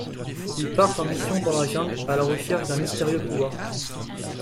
Ils partent en mission dans la jungle à la recherche d'un mystérieux pouvoir.